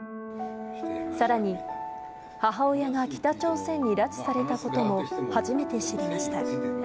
さらに母親が北朝鮮に拉致されたことも、初めて知りました。